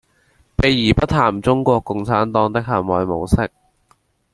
避而不談中國共產黨的行為模式